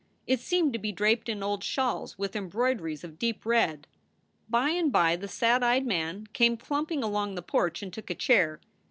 It seemed to be draped in old shawls with embroideries of deep red. By and by the sad eyed man came clumping along the porch and took a chair.